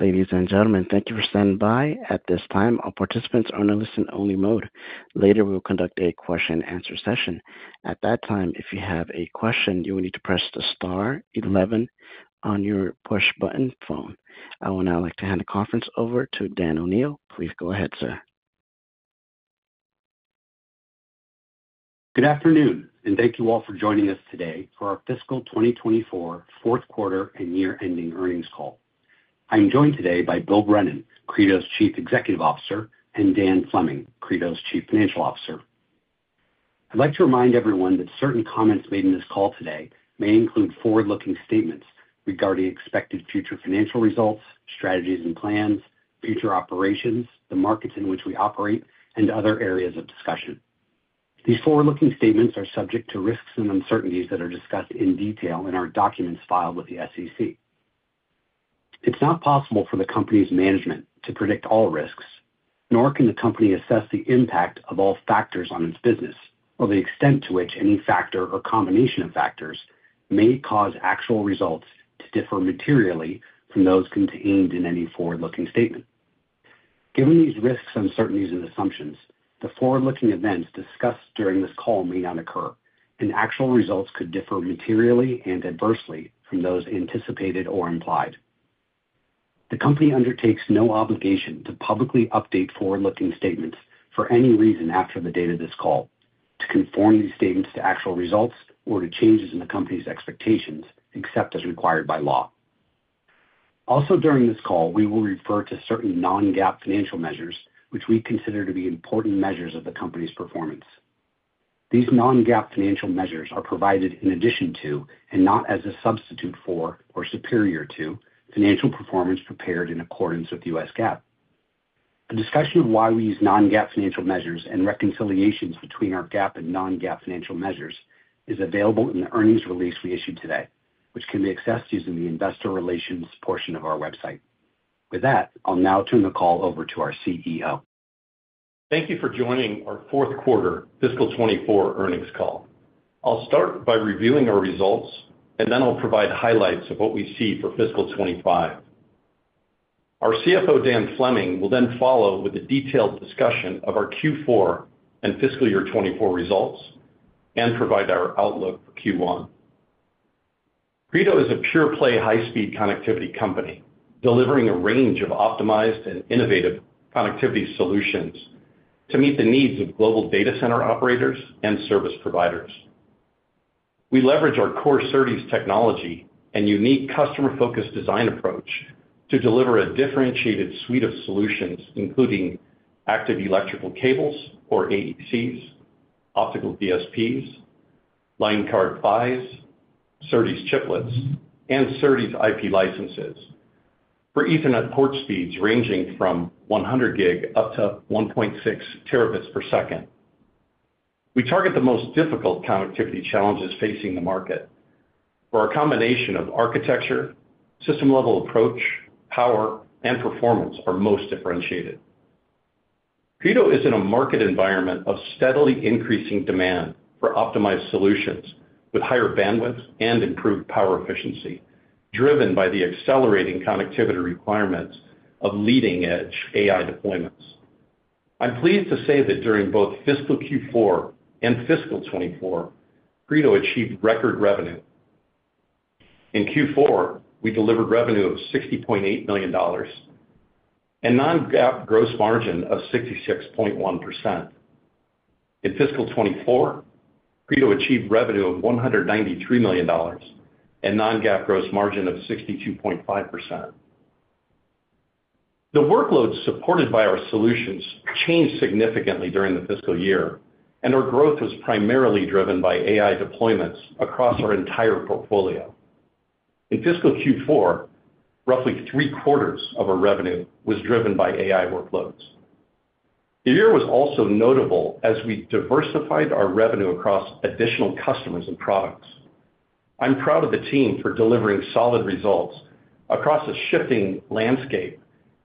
Ladies and gentlemen, thank you for standing by. At this time, all participants are in a listen-only mode. Later, we will conduct a question and answer session. At that time, if you have a question, you will need to press the star eleven on your push-button phone. I would now like to hand the conference over to Dan O'Neil. Please go ahead, sir. Good afternoon, and thank you all for joining us today for our fiscal 2024 fourth quarter and year-ending earnings call. I'm joined today by Bill Brennan, Credo's Chief Executive Officer, and Dan Fleming, Credo's Chief Financial Officer. I'd like to remind everyone that certain comments made in this call today may include forward-looking statements regarding expected future financial results, strategies and plans, future operations, the markets in which we operate, and other areas of discussion. These forward-looking statements are subject to risks and uncertainties that are discussed in detail in our documents filed with the SEC. It's not possible for the company's management to predict all risks, nor can the company assess the impact of all factors on its business or the extent to which any factor or combination of factors may cause actual results to differ materially from those contained in any forward-looking statement. Given these risks, uncertainties, and assumptions, the forward-looking events discussed during this call may not occur, and actual results could differ materially and adversely from those anticipated or implied. The company undertakes no obligation to publicly update forward-looking statements for any reason after the date of this call to conform these statements to actual results or to changes in the company's expectations, except as required by law. Also, during this call, we will refer to certain non-GAAP financial measures, which we consider to be important measures of the company's performance. These non-GAAP financial measures are provided in addition to, and not as a substitute for or superior to, financial performance prepared in accordance with the U.S. GAAP. A discussion of why we use non-GAAP financial measures and reconciliations between our GAAP and non-GAAP financial measures is available in the earnings release we issued today, which can be accessed using the Investor Relations portion of our website. With that, I'll now turn the call over to our CEO. Thank you for joining our fourth quarter fiscal 2024 earnings call. I'll start by reviewing our results, and then I'll provide highlights of what we see for fiscal 2025. Our CFO, Dan Fleming, will then follow with a detailed discussion of our Q4 and fiscal year 2024 results and provide our outlook for Q1. Credo is a pure-play, high-speed connectivity company delivering a range of optimized and innovative connectivity solutions to meet the needs of global data center operators and service providers. We leverage our core SerDes technology and unique customer-focused design approach to deliver a differentiated suite of solutions, including active electrical cables, or AECs, optical DSPs, line card PHYs, SerDes chiplets, and SerDes IP licenses for Ethernet port speeds ranging from 100 Gb up to 1.6 Tb. We target the most difficult connectivity challenges facing the market, where a combination of architecture, system-level approach, power, and performance are most differentiated. Credo is in a market environment of steadily increasing demand for optimized solutions with higher bandwidth and improved power efficiency, driven by the accelerating connectivity requirements of leading-edge AI deployments. I'm pleased to say that during both fiscal Q4 and fiscal 2024, Credo achieved record revenue. In Q4, we delivered revenue of $60.8 million and non-GAAP gross margin of 66.1%. In fiscal 2024, Credo achieved revenue of $193 million and non-GAAP gross margin of 62.5%. The workloads supported by our solutions changed significantly during the fiscal year, and our growth was primarily driven by AI deployments across our entire portfolio. In fiscal Q4, roughly 3/4 of our revenue was driven by AI workloads. The year was also notable as we diversified our revenue across additional customers and products. I'm proud of the team for delivering solid results across a shifting landscape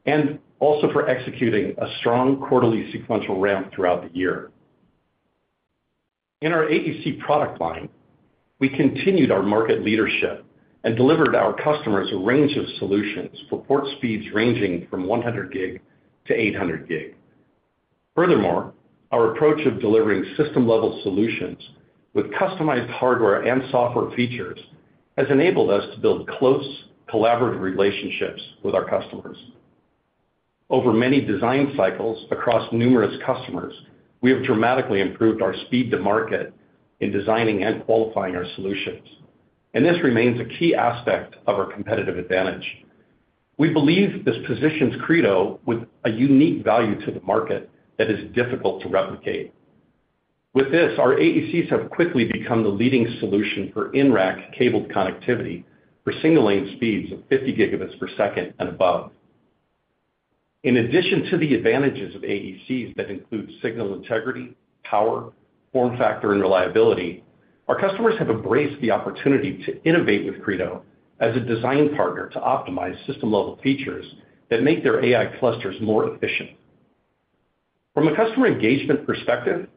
and also for executing a strong quarterly sequential ramp throughout the year. In our AEC product line, we continued our market leadership and delivered our customers a range of solutions for port speeds ranging from 100 Gb-800 Gb. Furthermore, our approach of delivering system-level solutions with customized hardware and software features has enabled us to build close, collaborative relationships with our customers. Over many design cycles across numerous customers, we have dramatically improved our speed-to-market in designing and qualifying our solutions, and this remains a key aspect of our competitive advantage. We believe this positions Credo with a unique value to the market that is difficult to replicate. With this, our AECs have quickly become the leading solution for in-rack cabled connectivity for single-lane speeds of 50 Gbps and above. In addition to the advantages of AECs that include signal integrity, power, form factor, and reliability, our customers have embraced the opportunity to innovate with Credo as a design partner to optimize system-level features that make their AI clusters more efficient. From a customer engagement perspective,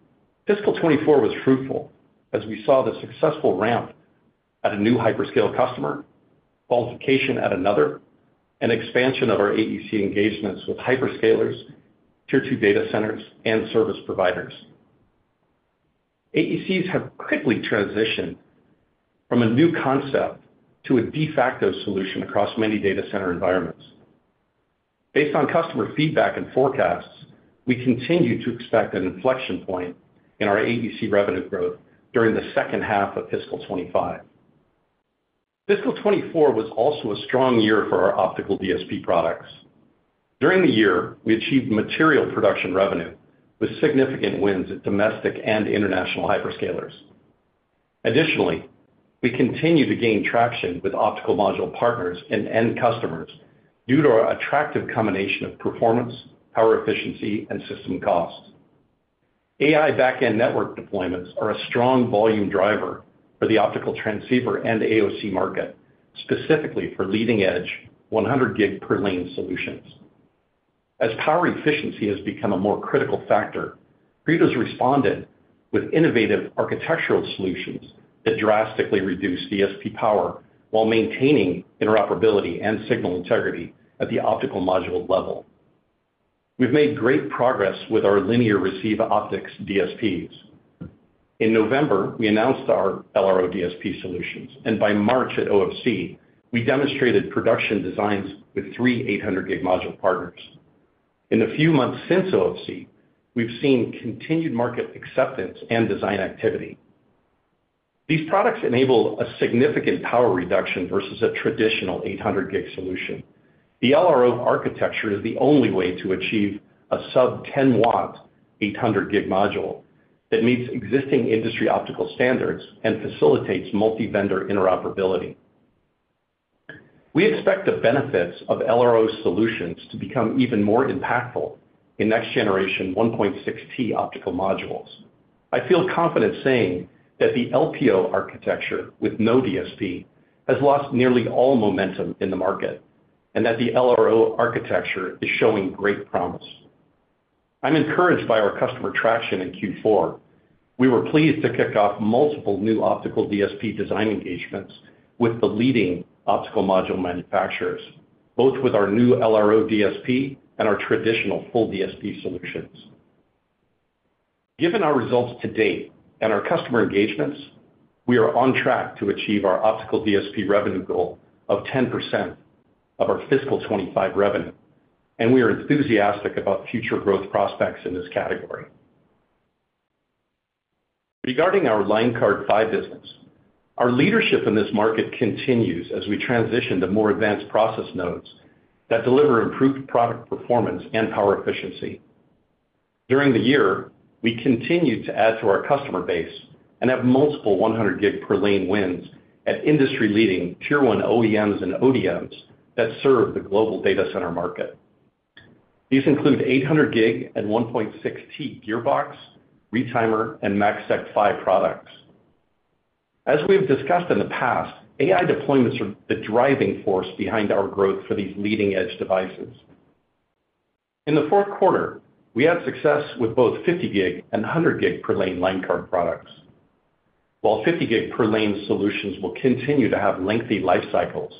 fiscal 2024 was fruitful as we saw the successful ramp at a new hyperscaler customer, qualification at another, and expansion of our AEC engagements with hyperscalers, Tier 2 data centers, and service providers. AECs have quickly transitioned from a new concept to a de facto solution across many data center environments. Based on customer feedback and forecasts, we continue to expect an inflection point in our AEC revenue growth during the second half of fiscal 2025. Fiscal 2024 was also a strong year for our optical DSP products. During the year, we achieved material production revenue with significant wins at domestic and international hyperscalers. Additionally, we continue to gain traction with optical module partners and end customers due to our attractive combination of performance, power efficiency, and system costs. AI back-end network deployments are a strong volume driver for the optical transceiver and the AOC market, specifically for leading-edge 100 Gb per lane solutions. As power efficiency has become a more critical factor, Credo has responded with innovative architectural solutions that drastically reduce DSP power while maintaining interoperability and signal integrity at the optical module level. We've made great progress with our linear receive optics DSPs. In November, we announced our LRO DSP solutions, and by March at OFC, we demonstrated production designs with three 800 Gb module partners. In the few months since OFC, we've seen continued market acceptance and design activity. These products enable a significant power reduction versus a traditional 800 Gb solution. The LRO architecture is the only way to achieve a sub-10-W, 800 Gb module that meets existing industry optical standards and facilitates multi-vendor interoperability. We expect the benefits of LRO solutions to become even more impactful in next-generation 1.6 Tb optical modules. I feel confident saying that the LPO architecture with no DSP has lost nearly all momentum in the market, and that the LRO architecture is showing great promise. I'm encouraged by our customer traction in Q4. We were pleased to kick off multiple new optical DSP design engagements with the leading optical module manufacturers, both with our new LRO DSP and our traditional full DSP solutions. Given our results to date and our customer engagements, we are on track to achieve our Optical DSP revenue goal of 10% of our fiscal 2025 revenue, and we are enthusiastic about future growth prospects in this category. Regarding our Line Card PHYs business, our leadership in this market continues as we transition to more advanced process nodes that deliver improved product performance and power efficiency. During the year, we continued to add to our customer base and have multiple 100 Gb per lane wins at industry-leading tier one OEMs and ODMs that serve the global data center market. These include 800 Gb and 1.6 Tb gearbox, retimer, and MACsec PHY products. As we've discussed in the past, AI deployments are the driving force behind our growth for these leading-edge devices. In the fourth quarter, we had success with both 50 Gb and 100 Gb per lane line card products. While 50 Gb per lane solutions will continue to have lengthy life cycles,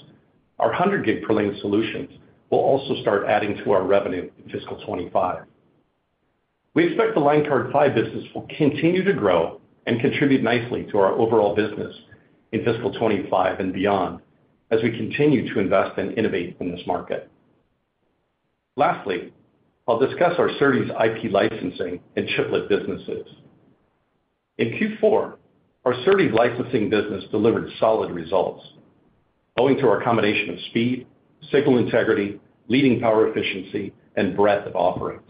our 100 Gb per lane solutions will also start adding to our revenue in fiscal 2025. We expect the Line Card PHY business will continue to grow and contribute nicely to our overall business in fiscal 2025 and beyond, as we continue to invest and innovate in this market. Lastly, I'll discuss our SerDes IP licensing and chiplet businesses. In Q4, our SerDes licensing business delivered solid results, owing to our combination of speed, signal integrity, leading power efficiency, and breadth of offerings.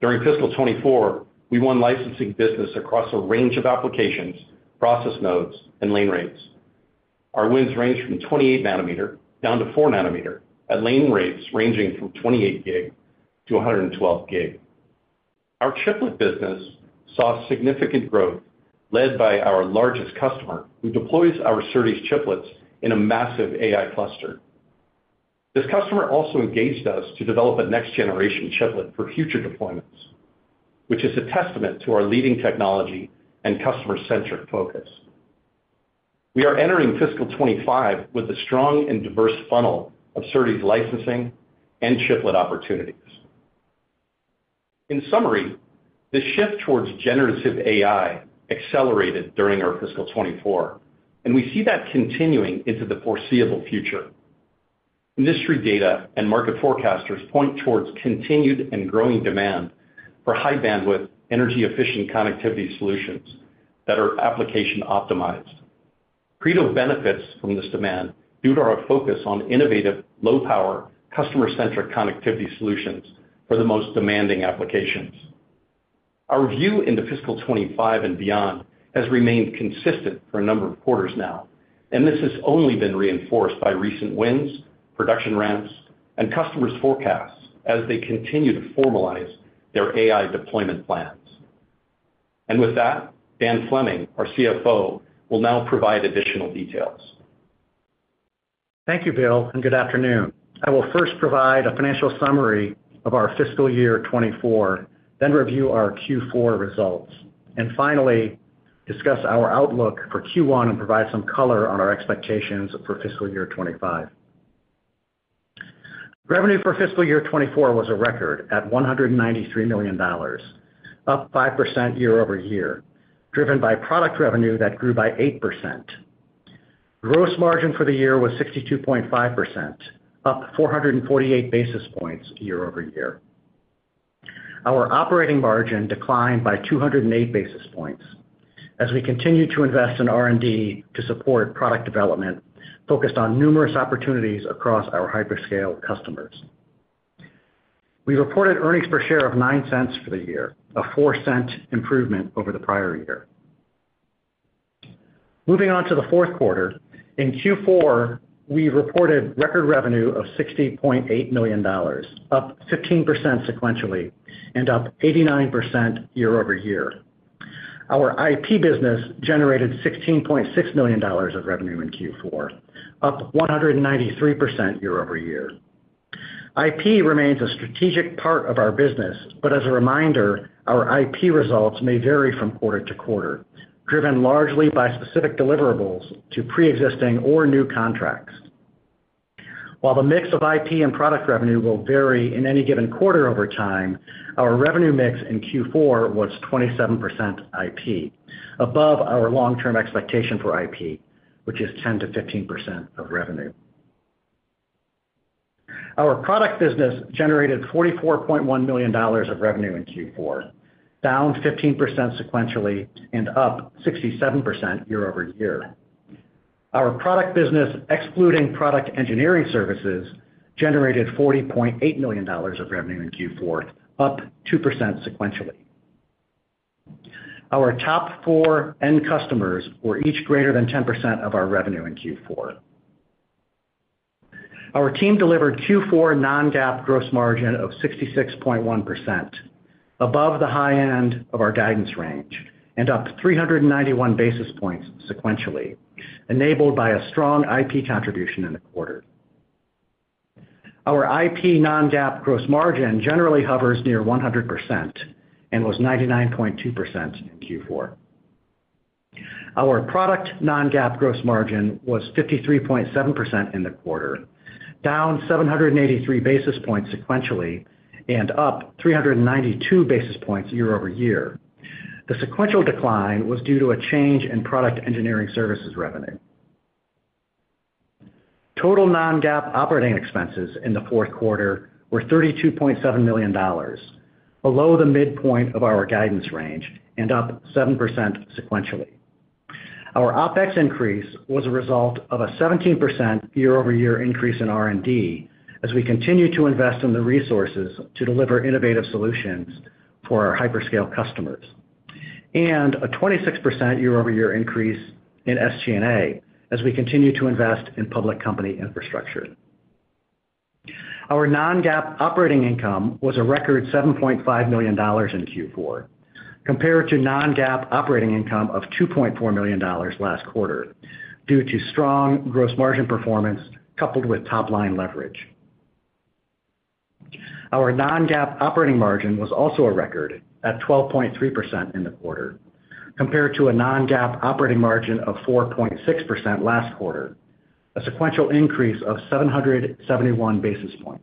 During fiscal 2024, we won licensing business across a range of applications, process nodes, and lane rates. Our wins range from 28 nanometer down to 4 nanometer, at lane rates ranging from 28 Gb to 112 Gb. Our chiplet business saw significant growth led by our largest customer, who deploys our SerDes chiplets in a massive AI cluster. This customer also engaged us to develop a next-generation chiplet for future deployments, which is a testament to our leading technology and customer-centric focus. We are entering fiscal 2025 with a strong and diverse funnel of SerDes licensing and chiplet opportunities. In summary, the shift towards generative AI accelerated during our fiscal 2024, and we see that continuing into the foreseeable future. Industry data and market forecasters point towards continued and growing demand for high bandwidth, energy-efficient connectivity solutions that are application-optimized. Credo benefits from this demand due to our focus on innovative, low-power, customer-centric connectivity solutions for the most demanding applications. Our view into fiscal 2025 and beyond has remained consistent for a number of quarters now, and this has only been reinforced by recent wins, production ramps, and customers' forecasts as they continue to formalize their AI deployment plans. With that, Dan Fleming, our CFO, will now provide additional details. Thank you, Bill, and good afternoon. I will first provide a financial summary of our fiscal year 2024, then review our Q4 results, and finally, discuss our outlook for Q1 and provide some color on our expectations for fiscal year 2025. Revenue for fiscal year 2024 was a record at $193 million, up 5% year-over-year, driven by product revenue that grew by 8%. Gross margin for the year was 62.5%, up 448 basis points year-over-year. Our operating margin declined by 208 basis points as we continued to invest in R&D to support product development, focused on numerous opportunities across our hyperscale customers. We reported earnings per share of $0.09 for the year, a $0.04 improvement over the prior year. Moving on to the fourth quarter. In Q4, we reported record revenue of $60.8 million, up 15% sequentially and up 89% year-over-year. Our IP business generated $16.6 million of revenue in Q4, up 193% year-over-year. IP remains a strategic part of our business, but as a reminder, our IP results may vary from quarter-to-quarter, driven largely by specific deliverables to pre-existing or new contracts. While the mix of IP and Product revenue will vary in any given quarter over time, our revenue mix in Q4 was 27% IP, above our long-term expectation for IP, which is 10%-15% of revenue. Our Product business generated $44.1 million of revenue in Q4, down 15% sequentially and up 67% year-over-year. Our Product business, excluding Product Engineering Services, generated $40.8 million of revenue in Q4, up 2% sequentially. Our top 4 end customers were each greater than 10% of our revenue in Q4. Our team delivered Q4 non-GAAP gross margin of 66.1%, above the high end of our guidance range and up 391 basis points sequentially, enabled by a strong IP contribution in the quarter. Our IP non-GAAP gross margin generally hovers near 100% and was 99.2% in Q4. Our product non-GAAP gross margin was 53.7% in the quarter, down 783 basis points sequentially and up 392 basis points year-over-year. The sequential decline was due to a change in Product Engineering Services revenue. Total non-GAAP operating expenses in the fourth quarter were $32.7 million, below the midpoint of our guidance range and up 7% sequentially. Our OpEx increase was a result of a 17% year-over-year increase in R&D, as we continue to invest in the resources to deliver innovative solutions for our hyperscale customers, and a 26% year-over-year increase in SG&A, as we continue to invest in public company infrastructure. Our non-GAAP operating income was a record $7.5 million in Q4, compared to non-GAAP operating income of $2.4 million last quarter, due to strong gross margin performance coupled with top-line leverage. Our non-GAAP operating margin was also a record at 12.3% in the quarter, compared to a non-GAAP operating margin of 4.6% last quarter, a sequential increase of 771 basis points.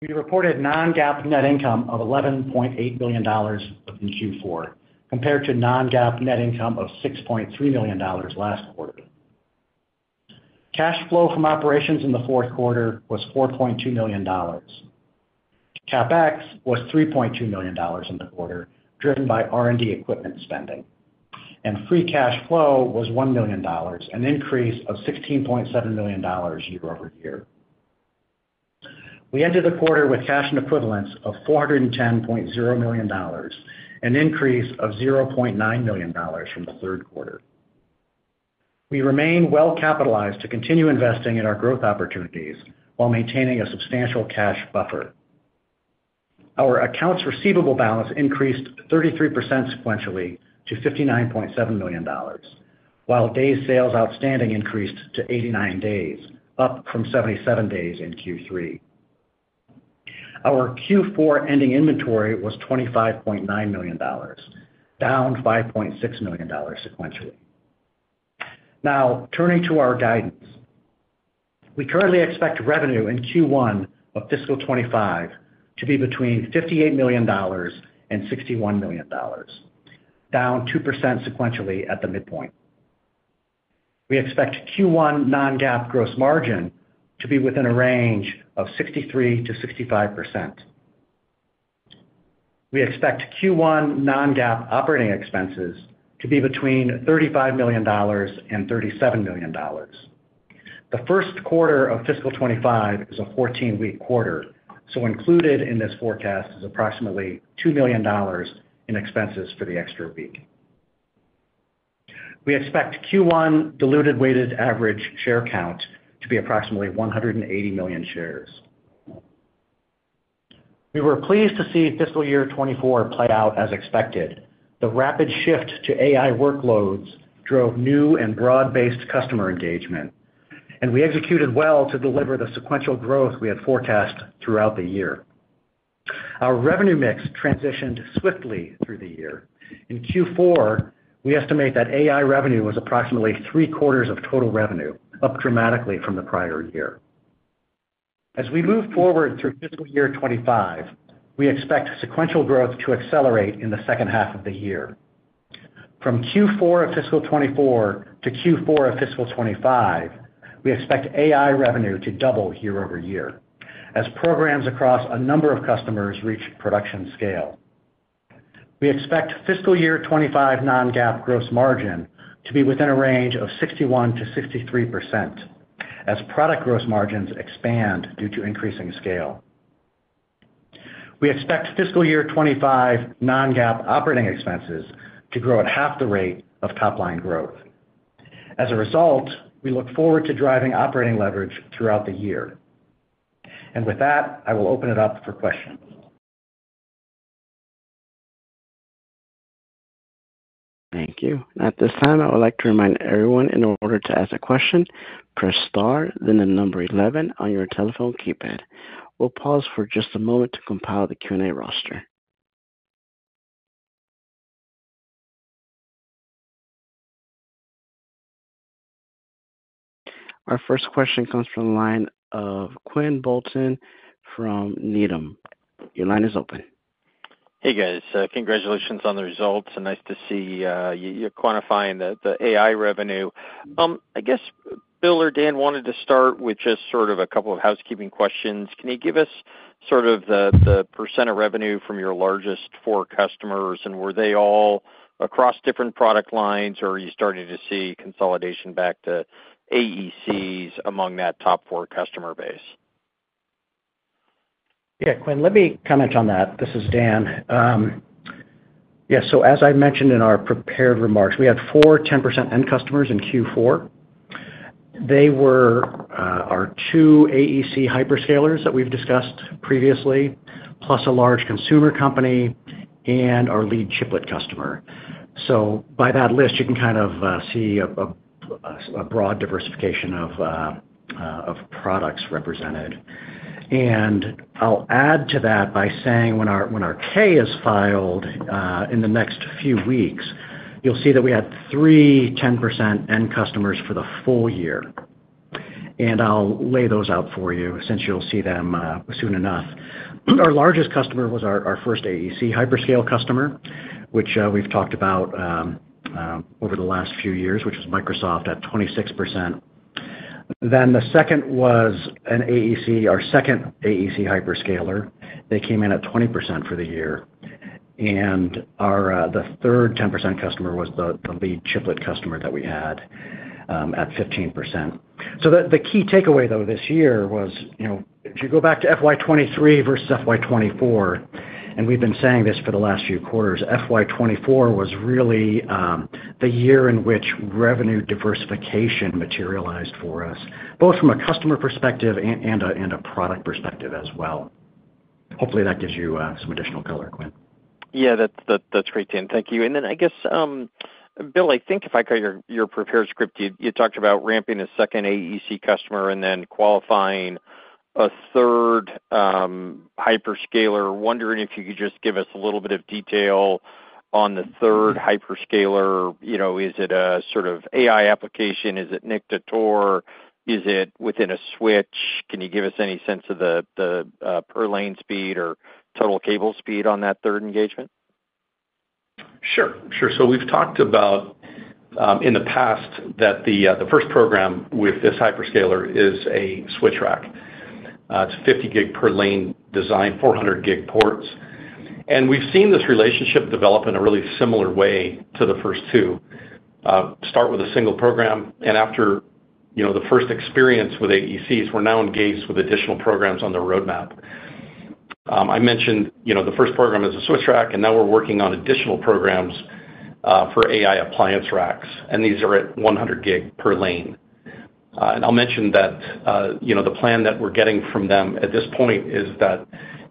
We reported non-GAAP net income of $11.8 million in Q4, compared to non-GAAP net income of $6.3 million last quarter. Cash flow from operations in the fourth quarter was $4.2 million. CapEx was $3.2 million in the quarter, driven by R&D equipment spending, and free cash flow was $1 million, an increase of $16.7 million year-over-year. We ended the quarter with cash and equivalents of $410.0 million, an increase of $0.9 million from the third quarter. We remain well-capitalized to continue investing in our growth opportunities while maintaining a substantial cash buffer. Our accounts receivable balance increased 33% sequentially to $59.7 million, while days sales outstanding increased to 89 days, up from 77 days in Q3. Our Q4 ending inventory was $25.9 million, down $5.6 million sequentially. Now, turning to our guidance. We currently expect revenue in Q1 of fiscal 2025 to be between $58 million and $61 million, down 2% sequentially at the midpoint. We expect Q1 non-GAAP gross margin to be within a range of 63%-65%. We expect Q1 non-GAAP operating expenses to be between $35 million and $37 million. The first quarter of fiscal 2025 is a 14-week quarter, so included in this forecast is approximately $2 million in expenses for the extra week. We expect Q1 diluted weighted average share count to be approximately 180 million shares. We were pleased to see fiscal year 2024 play out as expected. The rapid shift to AI workloads drove new and broad-based customer engagement, and we executed well to deliver the sequential growth we had forecast throughout the year. Our revenue mix transitioned swiftly through the year. In Q4, we estimate that AI revenue was approximately 3/4 of total revenue, up dramatically from the prior year. As we move forward through fiscal year 2025, we expect sequential growth to accelerate in the second half of the year. From Q4 of fiscal 2024 to Q4 of fiscal 2025, we expect AI revenue to double year-over-year, as programs across a number of customers reach production scale. We expect fiscal year 2025 non-GAAP gross margin to be within a range of 61%-63%, as product gross margins expand due to increasing scale. We expect fiscal year 2025 non-GAAP operating expenses to grow at half the rate of top-line growth. As a result, we look forward to driving operating leverage throughout the year. And with that, I will open it up for questions. Thank you. At this time, I would like to remind everyone, in order to ask a question, press star then the number eleven on your telephone keypad. We'll pause for just a moment to compile the Q&A roster. Our first question comes from the line of Quinn Bolton from Needham. Your line is open. Hey, guys. Congratulations on the results, and nice to see you're quantifying the AI revenue. I guess, Bill or Dan, wanted to start with just sort of a couple of housekeeping questions. Can you give us sort of the percent of revenue from your largest four customers, and were they all across different product lines, or are you starting to see consolidation back to AECs among that top four customer base? Yeah, Quinn, let me comment on that. This is Dan. Yeah, so as I mentioned in our prepared remarks, we had four 10% end customers in Q4. They were our two AEC hyperscalers that we've discussed previously, plus a large consumer company and our lead chiplet customer. So by that list, you can kind of see a broad diversification of products represented. And I'll add to that by saying when our 10-K is filed in the next few weeks, you'll see that we had three 10% end customers for the full year, and I'll lay those out for you since you'll see them soon enough. Our largest customer was our first AEC hyperscale customer, which we've talked about over the last few years, which is Microsoft at 26%. Then the second was an AEC, our second AEC hyperscaler. They came in at 20% for the year, and our, the third 10% customer was the, the lead chiplet customer that we had, at 15%. So the, the key takeaway, though, this year was, you know, if you go back to FY 2023 versus FY 2024, and we've been saying this for the last few quarters, FY 2024 was really, the year in which revenue diversification materialized for us, both from a customer perspective and, and a, and a product perspective as well. Hopefully, that gives you, some additional color, Quinn. Yeah, that's great, Dan. Thank you. Then I guess, Bill, I think if I got your prepared script, you talked about ramping a second AEC customer and then qualifying a third hyperscaler. Wondering if you could just give us a little bit of detail on the third hyperscaler. You know, is it a sort of AI application? Is it NIC to ToR? Is it within a switch? Can you give us any sense of the per lane speed or total cable speed on that third engagement? Sure. Sure. So we've talked about in the past that the first program with this hyperscaler is a switch rack. It's a 50 Gb per lane design, 400 Gb ports. And we've seen this relationship develop in a really similar way to the first two. Start with a single program, and after, you know, the first experience with AECs, we're now engaged with additional programs on the roadmap. I mentioned, you know, the first program is a switch rack, and now we're working on additional programs for AI appliance racks, and these are at 100 Gb per lane. And I'll mention that, you know, the plan that we're getting from them at this point is that,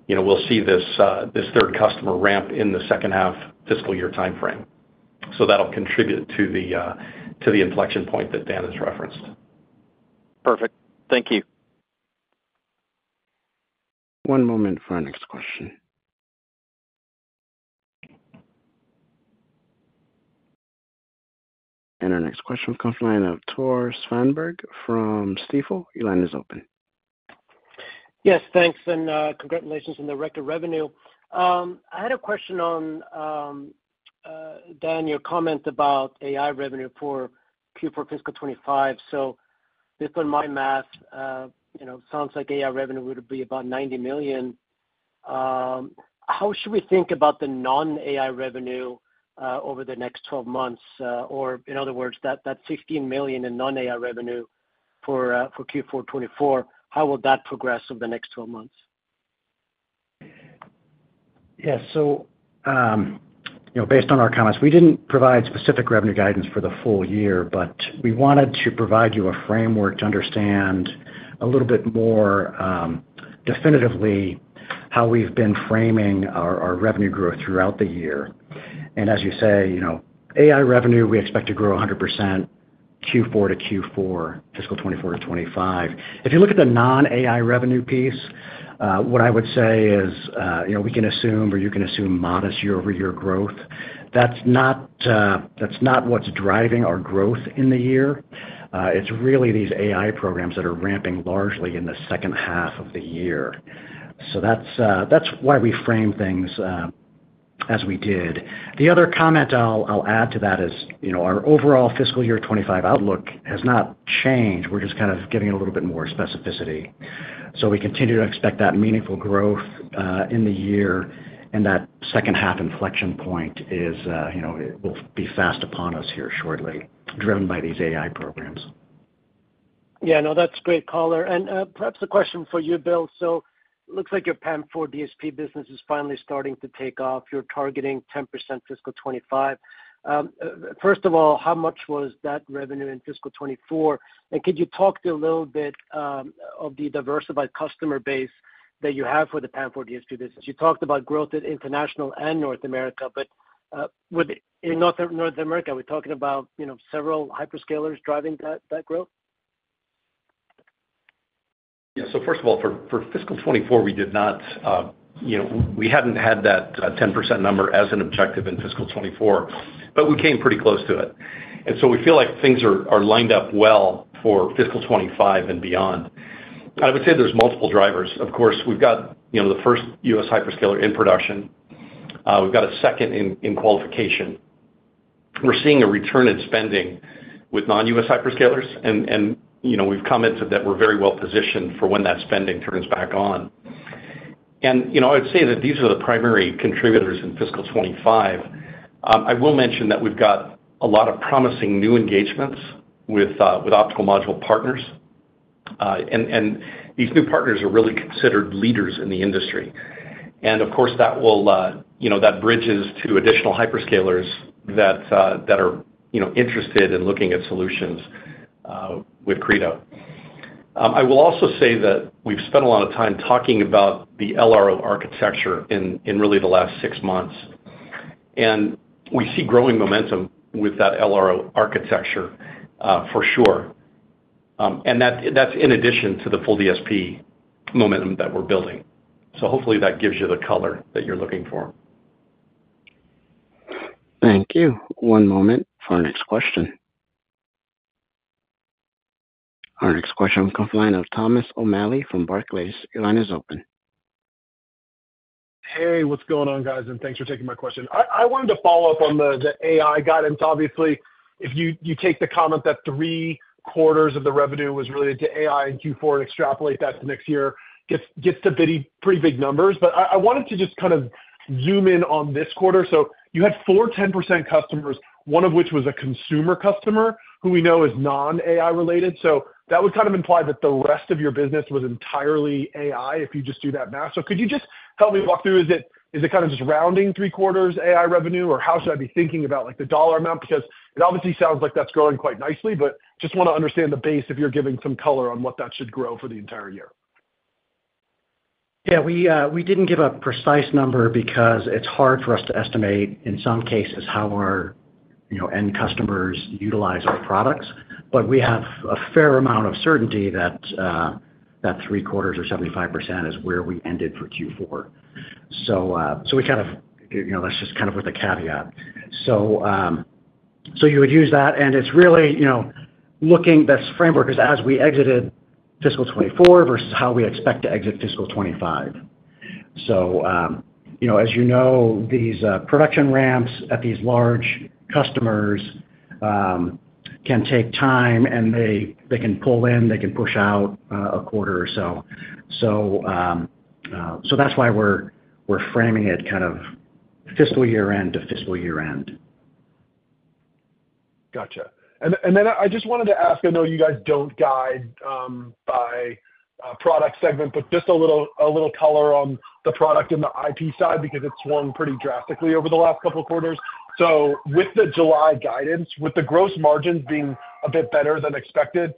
you know, we'll see this third customer ramp in the second half fiscal year timeframe. That'll contribute to the inflection point that Dan has referenced. Perfect. Thank you. One moment for our next question. Our next question comes from the line of Tore Svanberg from Stifel. Your line is open. Yes, thanks, and congratulations on the record revenue. I had a question on, Dan, your comment about AI revenue for Q4 fiscal 2025. So based on my math, you know, sounds like AI revenue would be about $90 million. How should we think about the non-AI revenue over the next 12 months? Or in other words, that $16 million in non-AI revenue for Q4 2024, how will that progress over the next 12 months? Yes. So, you know, based on our comments, we didn't provide specific revenue guidance for the full year, but we wanted to provide you a framework to understand a little bit more definitively how we've been framing our, our revenue growth throughout the year. And as you say, you know, AI revenue, we expect to grow 100% Q4 to Q4, fiscal 2024 to 2025. If you look at the non-AI revenue piece, what I would say is, you know, we can assume, or you can assume, modest year-over-year growth. That's not, that's not what's driving our growth in the year. It's really these AI programs that are ramping largely in the second half of the year. So that's, that's why we frame things, as we did. The other comment I'll, I'll add to that is, you know, our overall fiscal year 2025 outlook has not changed. We're just kind of giving a little bit more specificity. So we continue to expect that meaningful growth in the year, and that second half inflection point is, you know, it will be fast upon us here shortly, driven by these AI programs. Yeah, no, that's great, Colin. And, perhaps a question for you, Bill. So looks like your PAM4 DSP business is finally starting to take off. You're targeting 10% fiscal 2025. First of all, how much was that revenue in fiscal 2024? And could you talk to a little bit of the diversified customer base that you have for the PAM4 DSP business? You talked about growth at International and North America, but would in North America, are we talking about, you know, several hyperscalers driving that, that growth? Yeah. So first of all, for fiscal 2024, we did not, you know, we hadn't had that 10% number as an objective in fiscal 2024, but we came pretty close to it. So we feel like things are lined up well for fiscal 2025 and beyond. I would say there's multiple drivers. Of course, we've got, you know, the first U.S. hyperscaler in production. We've got a second in qualification. We're seeing a return in spending with non-U.S. hyperscalers, and, you know, we've commented that we're very well-positioned for when that spending turns back on. And, you know, I'd say that these are the primary contributors in fiscal 2025. I will mention that we've got a lot of promising new engagements with optical module partners, and these new partners are really considered leaders in the industry. And of course, that will, you know, that bridges to additional hyperscalers that are, you know, interested in looking at solutions with Credo. I will also say that we've spent a lot of time talking about the LRO architecture in really the last six months, and we see growing momentum with that LRO architecture for sure. And that's in addition to the full DSP momentum that we're building. So hopefully that gives you the color that you're looking for. Thank you. One moment for our next question. Our next question comes from the line of Thomas O'Malley from Barclays. Your line is open. Hey, what's going on, guys? Thanks for taking my question. I wanted to follow up on the AI guidance. Obviously, if you take the comment that 3/4 of the revenue was related to AI in Q4 and extrapolate that to next year, it gets to pretty big numbers. But I wanted to just kind of zoom in on this quarter. You had four 10% customers, one of which was a consumer customer, who we know is non-AI related. That would kind of imply that the rest of your business was entirely AI, if you just do that math. Could you just help me walk through? Is it kind of just rounding 3/4 AI revenue, or how should I be thinking about, like, the dollar amount? Because it obviously sounds like that's growing quite nicely, but just wanna understand the base if you're giving some color on what that should grow for the entire year. Yeah, we, we didn't give a precise number because it's hard for us to estimate, in some cases, how our, you know, end customers utilize our products. But we have a fair amount of certainty that, that 3/4 or 75% is where we ended for Q4. So, so we kind of, you know, that's just kind of with a caveat. So, so you would use that, and it's really, you know, looking this framework as, as we exited fiscal 2024 versus how we expect to exit fiscal 2025. So, you know, as you know, these, production ramps at these large customers, can take time, and they, they can pull in, they can push out, a quarter or so. So, so that's why we're, we're framing it kind of fiscal year-end to fiscal year-end. Gotcha. And then I just wanted to ask, I know you guys don't guide by product segment, but just a little color on the product in the IP side, because it's swung pretty drastically over the last couple of quarters. So with the July guidance, with the gross margins being a bit better than expected,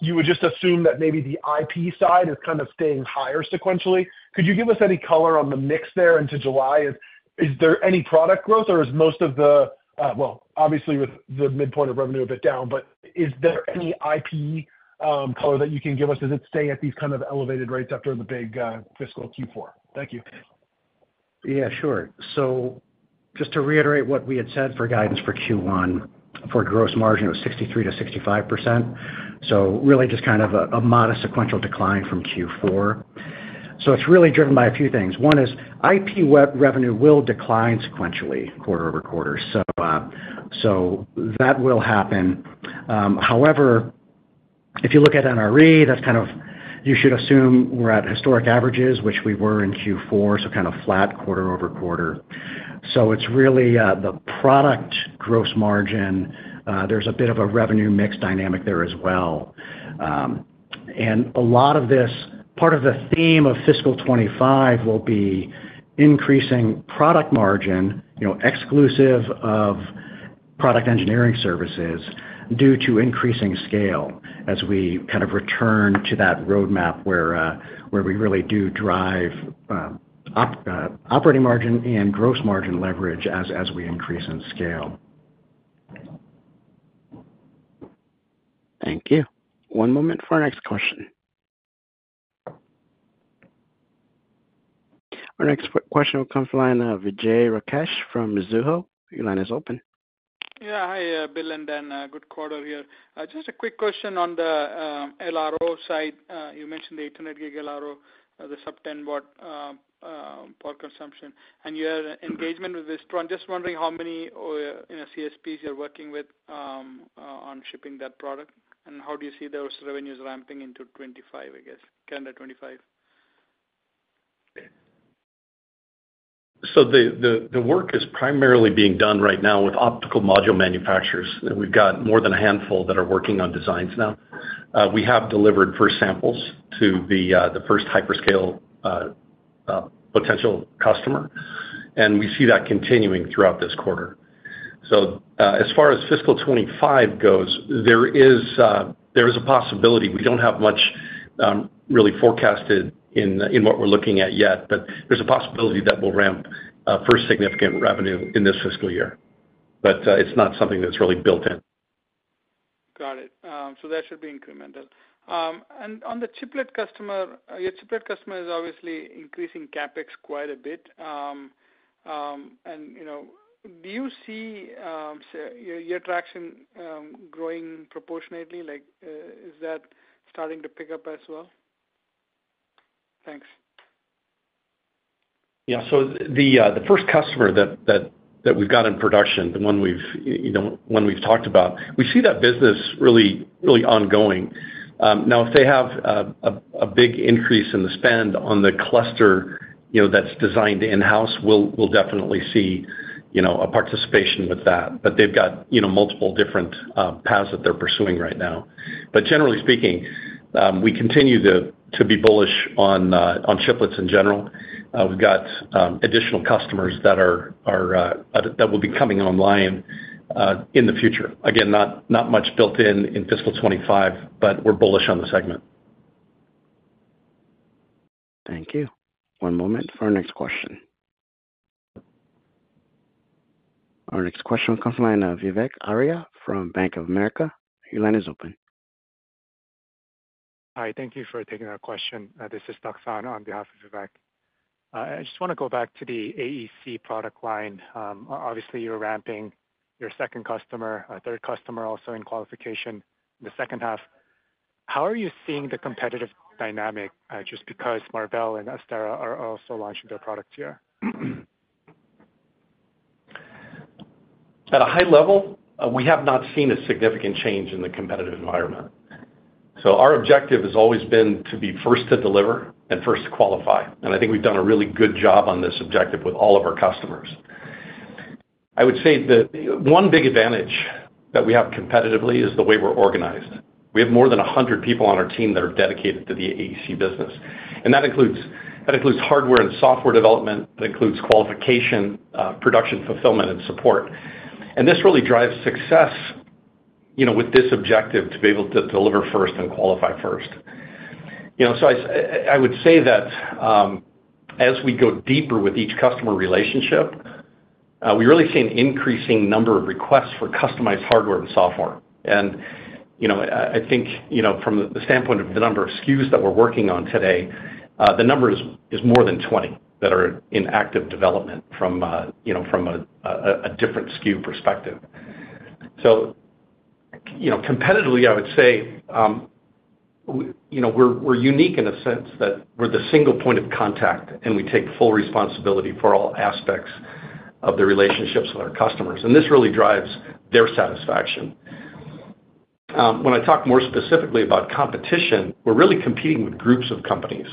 you would just assume that maybe the IP side is kind of staying higher sequentially. Could you give us any color on the mix there into July? Is there any product growth, or is most of the—well, obviously, with the midpoint of revenue a bit down, but is there any IP color that you can give us? Does it stay at these kind of elevated rates after the big fiscal Q4? Thank you. Yeah, sure. So just to reiterate what we had said for guidance for Q1, for gross margin, it was 63%-65%, so really just kind of a modest sequential decline from Q4. So it's really driven by a few things. One is, IP revenue will decline sequentially, quarter-over-quarter. So that will happen. However, if you look at NRE, that's kind of, you should assume we're at historic averages, which we were in Q4, so kind of flat quarter-over-quarter. So it's really the product gross margin. There's a bit of a revenue mix dynamic there as well. And a lot of this, part of the theme of fiscal 2025 will be increasing product margin, you know, exclusive of Product Engineering Services, due to increasing scale as we kind of return to that roadmap where, where we really do drive, operating margin and gross margin leverage as, as we increase in scale. Thank you. One moment for our next question. Our next question will come from the line of Vijay Rakesh from Mizuho. Your line is open. Yeah. Hi, Bill and Dan. Good quarter here. Just a quick question on the LRO side. You mentioned the 800 Gb LRO, the sub-10-W power consumption, and you had an engagement with this one. Just wondering how many, you know, CSPs you're working with on shipping that product, and how do you see those revenues ramping into 2025, I guess, calendar 2025? So the work is primarily being done right now with optical module manufacturers, and we've got more than a handful that are working on designs now. We have delivered first samples to the first hyperscaler potential customer, and we see that continuing throughout this quarter. So, as far as fiscal 2025 goes, there is a possibility. We don't have much really forecasted in what we're looking at yet, but there's a possibility that we'll ramp first significant revenue in this fiscal year. But it's not something that's really built in. Got it. So that should be incremental. And on the chiplet customer, your chiplet customer is obviously increasing CapEx quite a bit. And, you know, do you see, say, your, your traction, growing proportionately? Like, is that starting to pick up as well? Thanks. Yeah. So the first customer that we've got in production, the one we've, you know, we've talked about, we see that business really ongoing. Now, if they have a big increase in the spend on the cluster, you know, that's designed in-house, we'll definitely see, you know, a participation with that. But they've got, you know, multiple different paths that they're pursuing right now. But generally speaking, we continue to be bullish on chiplets in general. We've got additional customers that are that will be coming online in the future. Again, not much built-in in fiscal 2025, but we're bullish on the segment. Thank you. One moment for our next question. Our next question comes from the line of Vivek Arya from Bank of America. Your line is open. Hi, thank you for taking our question. This is Duksan on behalf of Vivek. I just wanna go back to the AEC product line. Obviously, you're ramping your second customer, a third customer also in qualification in the second half. How are you seeing the competitive dynamic, just because Marvell and Astera are also launching their product here? At a high level, we have not seen a significant change in the competitive environment. So our objective has always been to be first to deliver and first to qualify, and I think we've done a really good job on this objective with all of our customers. I would say that one big advantage that we have competitively is the way we're organized. We have more than 100 people on our team that are dedicated to the AEC business, and that includes hardware and software development, that includes qualification, production, fulfillment, and support. And this really drives success, you know, with this objective, to be able to deliver first and qualify first. You know, so I would say that, as we go deeper with each customer relationship, we really see an increasing number of requests for customized hardware and software. You know, I think, you know, from the standpoint of the number of SKUs that we're working on today, the number is more than 20 that are in active development from a different SKU perspective. So, you know, competitively, I would say, we, you know, we're unique in a sense that we're the single point of contact, and we take full responsibility for all aspects of the relationships with our customers, and this really drives their satisfaction. When I talk more specifically about competition, we're really competing with groups of companies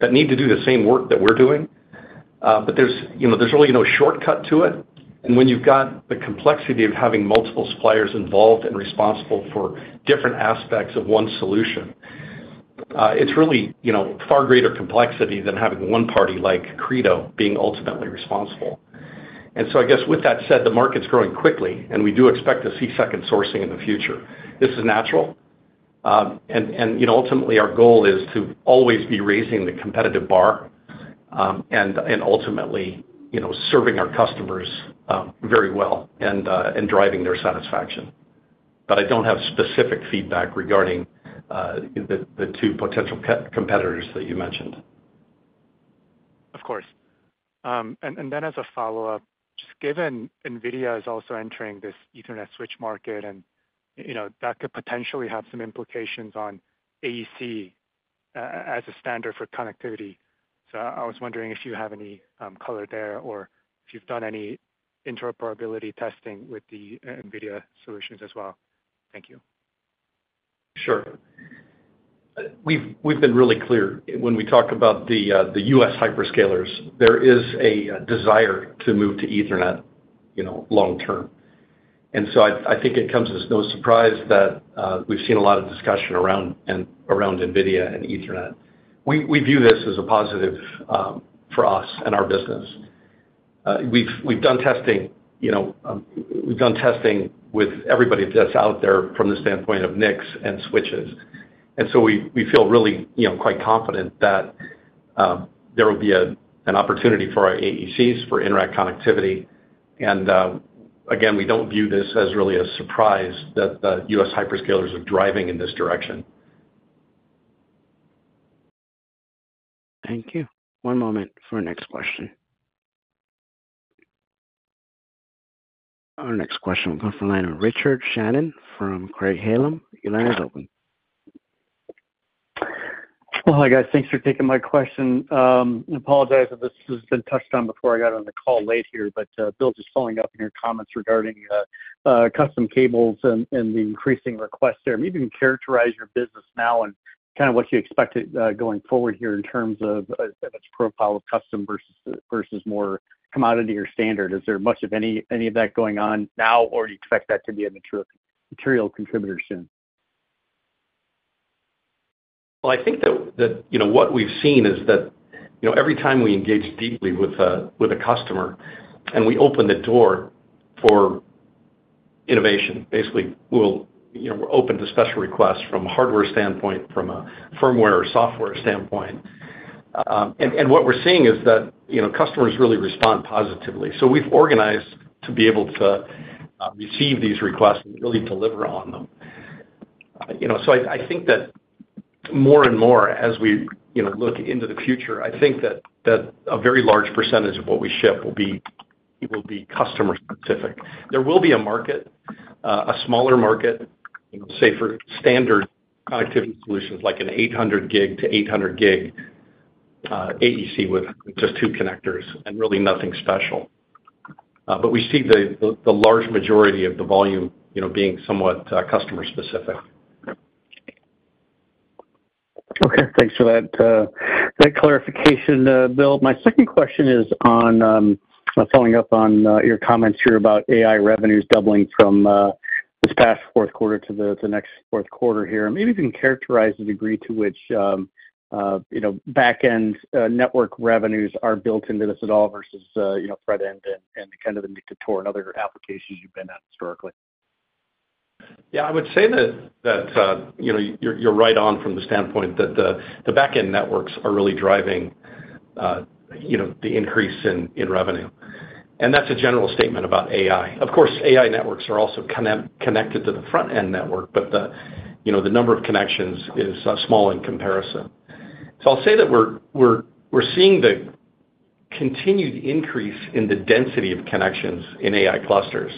that need to do the same work that we're doing. But there's, you know, there's really no shortcut to it, and when you've got the complexity of having multiple suppliers involved and responsible for different aspects of one solution, it's really, you know, far greater complexity than having one party, like Credo, being ultimately responsible. And so I guess with that said, the market's growing quickly, and we do expect to see second sourcing in the future. This is natural, and, you know, ultimately, our goal is to always be raising the competitive bar, and ultimately, you know, serving our customers very well and driving their satisfaction. But I don't have specific feedback regarding the two potential competitors that you mentioned. Of course. And then as a follow-up, just given NVIDIA is also entering this Ethernet switch market, and, you know, that could potentially have some implications on AEC as a standard for connectivity. So I was wondering if you have any color there or if you've done any interoperability testing with the NVIDIA solutions as well. Thank you. Sure. We've been really clear when we talk about the U.S. hyperscalers, there is a desire to move to Ethernet, you know, long term. And so I think it comes as no surprise that we've seen a lot of discussion around NVIDIA and Ethernet. We view this as a positive for us and our business. We've done testing with everybody that's out there from the standpoint of NICs and switches. And so we feel really, you know, quite confident that there will be an opportunity for our AECs for in-rack connectivity. And again, we don't view this as really a surprise that the U.S. hyperscalers are driving in this direction. Thank you. One moment for our next question. Our next question comes from the line of Richard Shannon from Craig-Hallum. Your line is open. Well, hi, guys. Thanks for taking my question. I apologize if this has been touched on before I got on the call late here, but, Bill, just following up on your comments regarding custom cables and the increasing requests there. Maybe you can characterize your business now and kind of what you expect it going forward here in terms of its profile of custom versus more commodity or standard. Is there much of any of that going on now, or you expect that to be a material contributor soon? Well, I think that, you know, what we've seen is that, you know, every time we engage deeply with a customer, and we open the door for innovation, basically, you know, we're open to special requests from a hardware standpoint, from a firmware or software standpoint. And what we're seeing is that, you know, customers really respond positively. So we've organized to be able to receive these requests and really deliver on them. You know, so I think that more and more as we, you know, look into the future, I think that a very large percentage of what we ship will be customer specific. There will be a market, a smaller market, say, for standard connectivity solutions, like an 800 Gb to 800 Gb AEC with just two connectors and really nothing special. But we see the large majority of the volume, you know, being somewhat customer specific. Okay, thanks for that, that clarification, Bill. My second question is on, following up on, your comments here about AI revenues doubling from, this past fourth quarter to the, the next fourth quarter here. Maybe you can characterize the degree to which, you know, back-end, network revenues are built into this at all versus, you know, front end and, and the kind of Ethernet and other applications you've been at historically. Yeah, I would say that you know, you're right on from the standpoint that the back-end networks are really driving you know, the increase in revenue. And that's a general statement about AI. Of course, AI networks are also connected to the front-end network, but you know, the number of connections is small in comparison. So I'll say that we're seeing the continued increase in the density of connections in AI clusters,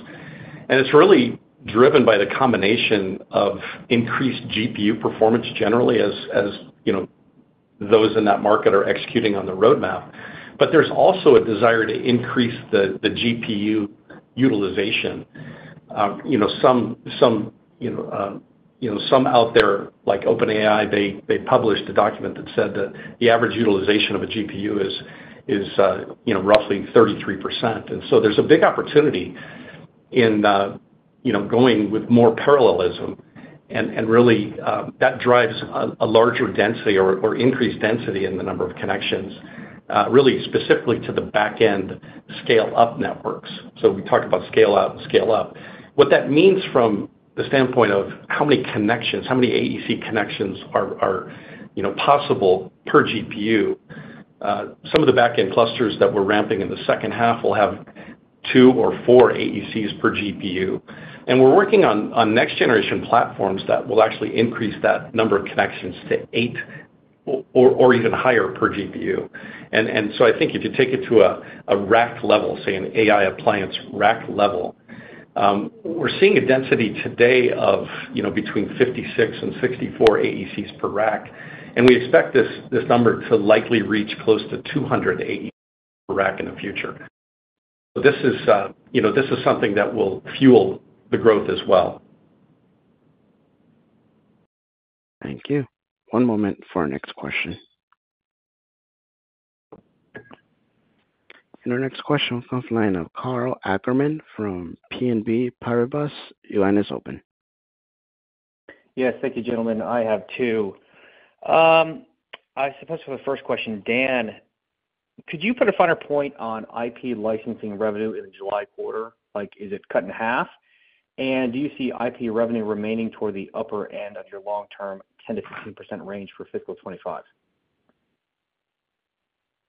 and it's really driven by the combination of increased GPU performance generally as you know, those in that market are executing on the roadmap. But there's also a desire to increase the GPU utilization. You know, some out there, like OpenAI, they published a document that said that the average utilization of a GPU is roughly 33%. And so there's a big opportunity in going with more parallelism and really that drives a larger density or increased density in the number of connections, really specifically to the back-end scale-up networks. So we talked about scale out and scale up. What that means from the standpoint of how many connections, how many AEC connections are possible per GPU. Some of the back-end clusters that we're ramping in the second half will have two or four AECs per GPU. And we're working on next-generation platforms that will actually increase that number of connections to 8 or even higher per GPU. And so I think if you take it to a rack level, say an AI appliance rack level, we're seeing a density today of, you know, between 56 and 64 AECs per rack, and we expect this number to likely reach close to 200 AEC per rack in the future. This is, you know, this is something that will fuel the growth as well. Thank you. One moment for our next question. Our next question comes from the line of Karl Ackerman from BNP Paribas. Your line is open. Yes, thank you, gentlemen. I have two. I suppose for the first question, Dan, could you put a finer point on IP licensing revenue in the July quarter? Like, is it cut in half? And do you see IP revenue remaining toward the upper end of your long-term 10%-15% range for fiscal 2025?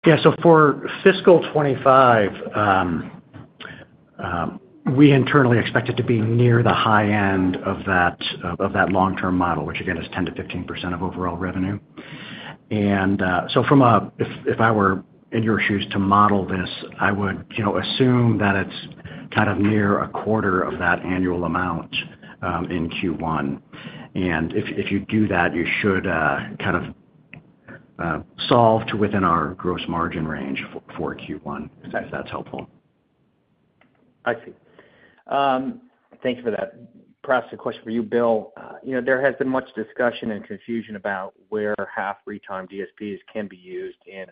Yeah, so for fiscal 2025, we internally expect it to be near the high end of that, of that long-term model, which again, is 10%-15% of overall revenue. And, so from a—if, if I were in your shoes to model this, I would, you know, assume that it's kind of near a quarter of that annual amount, in Q1. And if, if you do that, you should, kind of, solve to within our gross margin range for Q1, if that's helpful. I see. Thank you for that. Perhaps a question for you, Bill. You know, there has been much discussion and confusion about where half retimer DSPs can be used in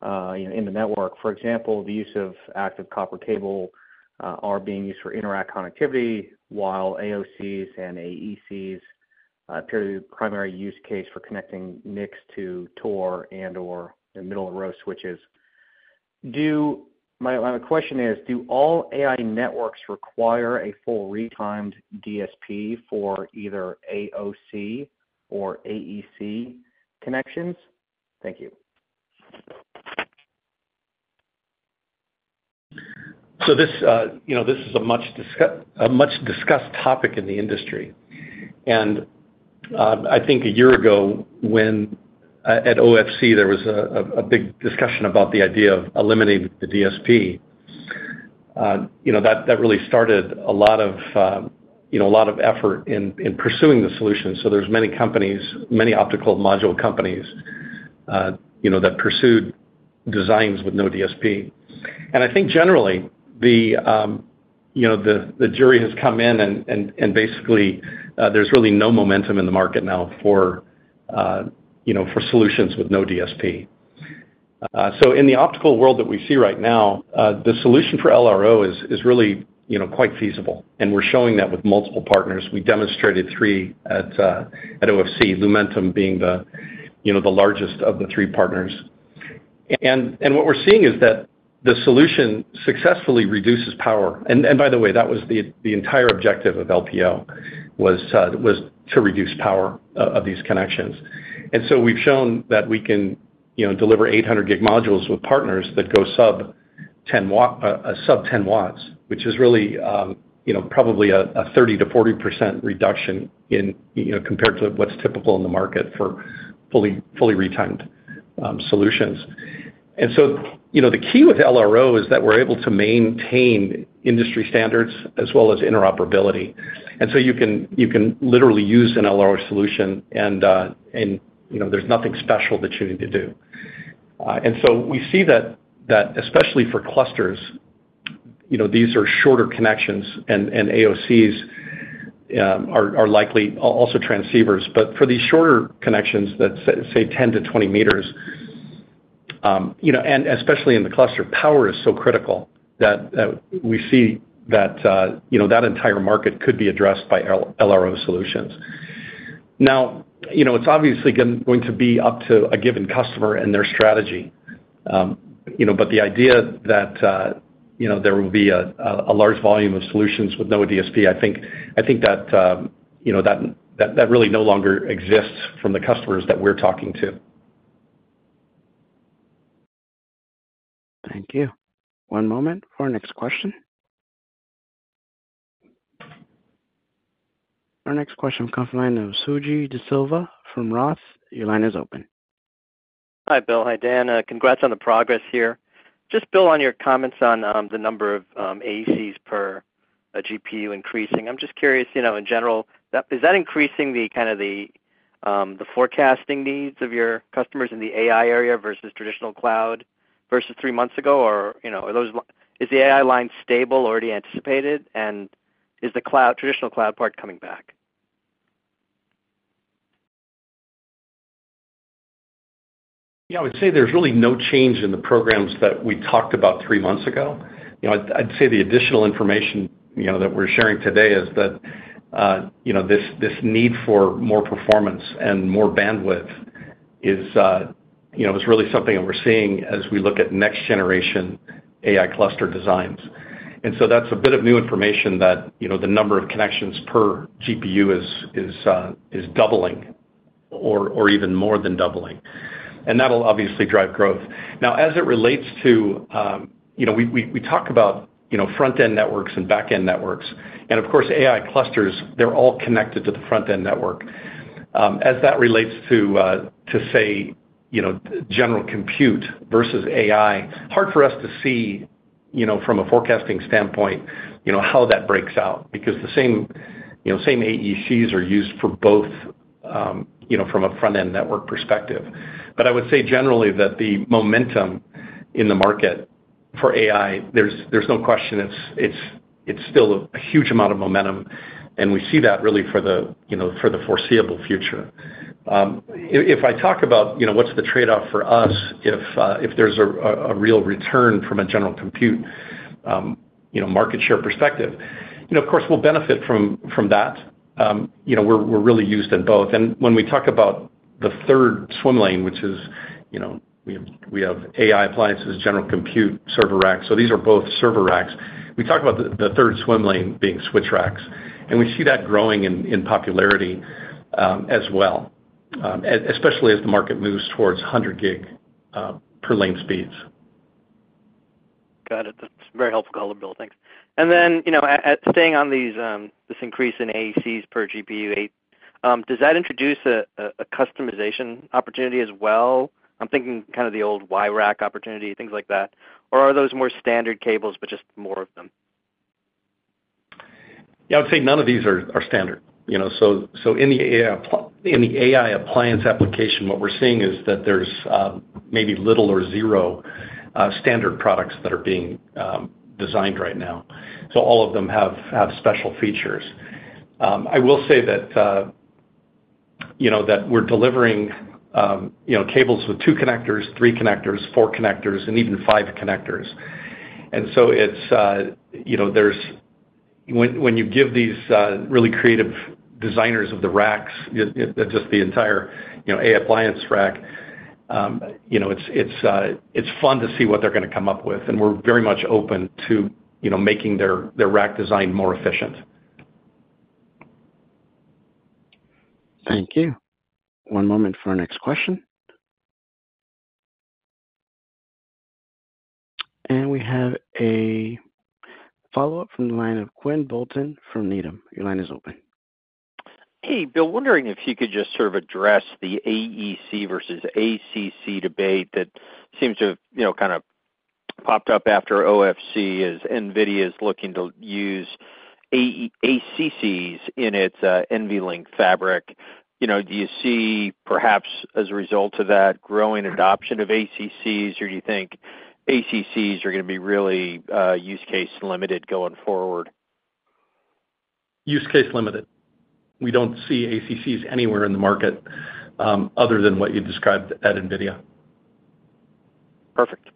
the network. For example, the use of active copper cable are being used for in-rack connectivity, while AOCs and AECs appear to be the primary use case for connecting NICs to ToR and/or the middle-of-row switches. My question is, do all AI networks require a full retimer DSP for either AOC or AEC connections? Thank you. So this, you know, this is a much-discussed topic in the industry. And, I think a year ago when, at OFC, there was a big discussion about the idea of eliminating the DSP. You know, that really started a lot of, you know, a lot of effort in pursuing the solution. So there's many companies, many optical module companies, you know, that pursued designs with no DSP. And I think generally, the, you know, the jury has come in and basically, there's really no momentum in the market now for, you know, for solutions with no DSP. So in the optical world that we see right now, the solution for LRO is really, you know, quite feasible, and we're showing that with multiple partners. We demonstrated three at OFC, Lumentum being the, you know, the largest of the 3 partners. What we're seeing is that the solution successfully reduces power. By the way, that was the entire objective of LPO, was to reduce power of these connections. So we've shown that we can, you know, deliver 800 Gb modules with partners that go sub-10-W, which is really, you know, probably a 30%-40% reduction in, you know, compared to what's typical in the market for fully retimed solutions. So, you know, the key with LRO is that we're able to maintain industry standards as well as interoperability. You can literally use an LRO solution, and you know, there's nothing special that you need to do. So we see that especially for clusters, you know, these are shorter connections, and AOCs are likely also transceivers. But for these shorter connections that say 10 m-20 m, you know, and especially in the cluster, power is so critical that we see that you know, that entire market could be addressed by LRO solutions. Now, you know, it's obviously going to be up to a given customer and their strategy. You know, but the idea that, you know, there will be a large volume of solutions with no DSP, I think that, you know, that really no longer exists from the customers that we're talking to. Thank you. One moment for our next question. Our next question comes from the line of Suji Desilva from Roth. Your line is open. Hi, Bill. Hi, Dan. Congrats on the progress here. Just, Bill, on your comments on the number of AECs per a GPU increasing. I'm just curious, you know, in general, that is that increasing the kind of the the forecasting needs of your customers in the AI area versus traditional cloud versus three months ago? Or, you know, are those? Is the AI line stable, already anticipated? And is the cloud, traditional cloud part coming back? Yeah, I would say there's really no change in the programs that we talked about three months ago. You know, I'd say the additional information, you know, that we're sharing today is that, you know, this need for more performance and more bandwidth is, you know, is really something that we're seeing as we look at next generation AI cluster designs. And so that's a bit of new information that, you know, the number of connections per GPU is doubling or even more than doubling. And that'll obviously drive growth. Now, as it relates to—you know, we talk about, you know, front-end networks and back-end networks. And of course, AI clusters, they're all connected to the front-end network. As that relates to, to say, you know, general compute versus AI, hard for us to see, you know, from a forecasting standpoint, you know, how that breaks out. Because the same, you know, same AECs are used for both, you know, from a front-end network perspective. But I would say generally, that the momentum in the market for AI, there's no question, it's still a huge amount of momentum, and we see that really for the, you know, for the foreseeable future. If I talk about, you know, what's the trade-off for us if, if there's a real return from a general compute, you know, market share perspective, you know, of course, we'll benefit from that. You know, we're really used in both. When we talk about the third swim lane, which is, you know, we have AI appliances, general compute, server racks, so these are both server racks. We talk about the third swim lane being switch racks, and we see that growing in popularity, as well, especially as the market moves towards 100 Gb per lane speeds. Got it. That's a very helpful color, Bill. Thanks. And then, you know, at staying on these, this increase in AECs per GPU, does that introduce a customization opportunity as well? I'm thinking kind of the old Y rack opportunity, things like that. Or are those more standard cables, but just more of them? Yeah, I would say none of these are standard, you know. So in the AI appliance application, what we're seeing is that there's maybe little or zero standard products that are being designed right now. So all of them have special features. I will say that, you know, that we're delivering, you know, cables with two connectors, three connectors, four connectors, and even five connectors. And so it's, you know, there's, when you give these really creative designers of the racks, just the entire, you know, AI appliance rack, you know, it's fun to see what they're gonna come up with, and we're very much open to, you know, making their rack design more efficient. Thank you. One moment for our next question. We have a follow-up from the line of Quinn Bolton from Needham. Your line is open. Hey, Bill. Wondering if you could just sort of address the AEC versus ACC debate that seems to have, you know, kind of popped up after OFC, as NVIDIA is looking to use ACCs in its NVLink fabric. You know, do you see perhaps as a result of that, growing adoption of ACCs, or do you think ACCs are gonna be really use case limited going forward? Use case limited. We don't see ACCs anywhere in the market, other than what you described at NVIDIA. Perfect.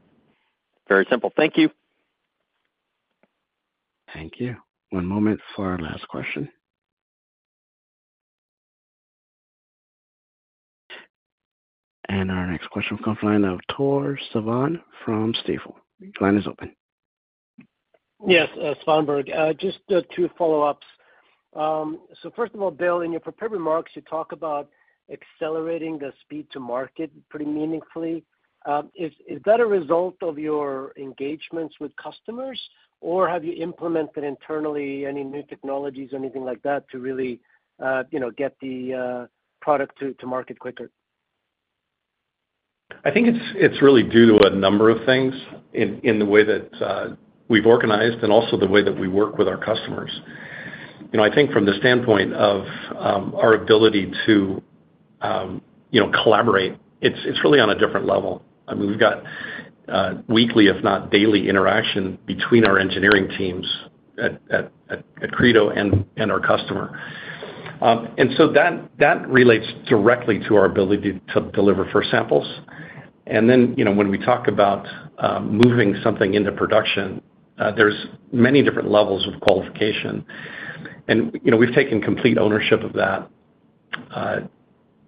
Very simple. Thank you. Thank you. One moment for our last question. Our next question comes from the line of Tore Svanberg from Stifel. Your line is open. Yes, Svanberg, just two follow-ups. So first of all, Bill, in your prepared remarks, you talk about accelerating the speed-to-market pretty meaningfully. Is that a result of your engagements with customers, or have you implemented internally any new technologies or anything like that, to really, you know, get the product to market quicker? I think it's really due to a number of things in the way that we've organized and also the way that we work with our customers. You know, I think from the standpoint of our ability to you know, collaborate, it's really on a different level. I mean, we've got weekly, if not daily, interaction between our engineering teams at Credo and our customer. And so that relates directly to our ability to deliver first samples. And then, you know, when we talk about moving something into production, there's many different levels of qualification. And, you know, we've taken complete ownership of that.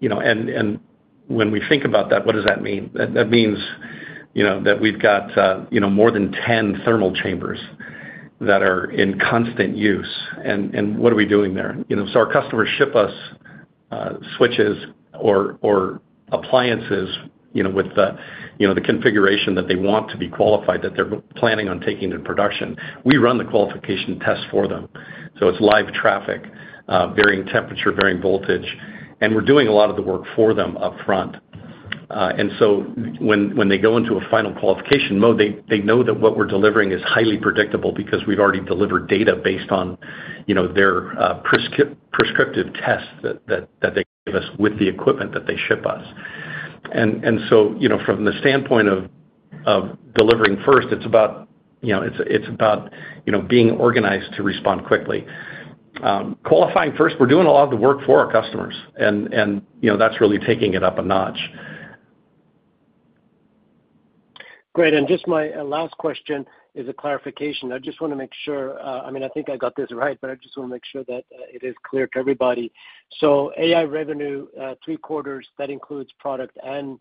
You know, and when we think about that, what does that mean? That means, you know, that we've got, you know, more than 10 thermal chambers that are in constant use. And what are we doing there? You know, so our customers ship us, switches or appliances, you know, with the, you know, the configuration that they want to be qualified, that they're planning on taking in production. We run the qualification test for them, so it's live traffic, varying temperature, varying voltage, and we're doing a lot of the work for them upfront. And so when they go into a final qualification mode, they know that what we're delivering is highly predictable because we've already delivered data based on, you know, their prescriptive tests that they give us with the equipment that they ship us. And so, you know, from the standpoint of delivering first, it's about, you know, being organized to respond quickly. Qualifying first, we're doing a lot of the work for our customers and, you know, that's really taking it up a notch. Great. And just my last question is a clarification. I just wanna make sure, I mean, I think I got this right, but I just wanna make sure that, it is clear to everybody. So AI revenue, 3/4, that includes product and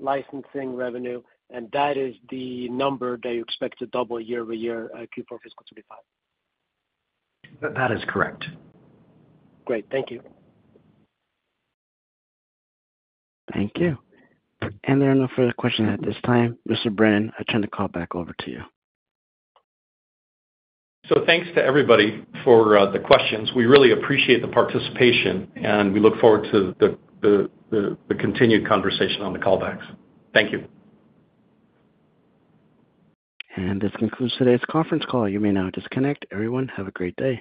licensing revenue, and that is the number that you expect to double year-over-year, Q4 fiscal 2025? That is correct. Great. Thank you. Thank you. There are no further questions at this time. Mr. Brennan, I turn the call back over to you. So thanks to everybody for the questions. We really appreciate the participation, and we look forward to the continued conversation on the callbacks. Thank you. This concludes today's conference call. You may now disconnect. Everyone, have a great day.